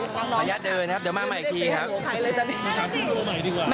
พยายามเดินนะครับเดี๋ยวมาใหม่อีกทีครับ